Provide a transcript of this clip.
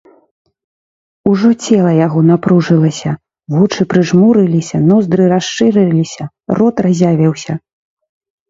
Ужо цела яго напружылася, вочы прыжмурыліся, ноздры расшырыліся, рот разявіўся.